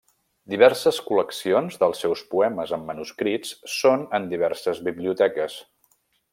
Diverses col·leccions dels seus poemes en manuscrits són en diverses biblioteques.